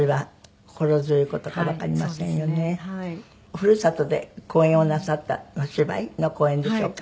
ふるさとで公演をなさったお芝居の公演でしょうか。